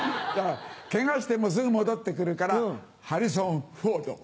ケガしてもすぐ戻って来るからハリソン・フォード！